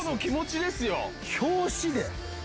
表紙で！